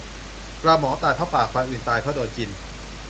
ปลาหมอตายเพราะปาก ปลาอื่นตายเพราะโดนกิน